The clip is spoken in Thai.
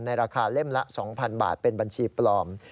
ราคาเล่มละ๒๐๐๐บาทเป็นบัญชีปลอม